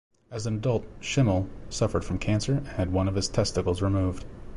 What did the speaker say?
As an adult, Schimmel suffered from cancer and had one of his testicles removed.